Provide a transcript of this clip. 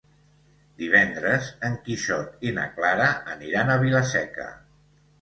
Divendres en Quixot i na Clara aniran a Vila-seca.